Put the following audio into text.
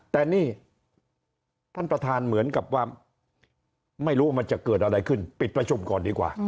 แต่นี่ท่านประธานเหมือนกับว่าไม่รู้มันจะเกิดอะไรขึ้นปิดประชุมก่อนดีกว่า